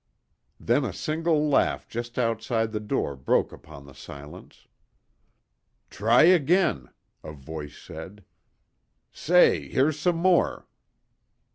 Then a single laugh just outside the door broke upon the silence. "Try again," a voice said. "Say, here's some more.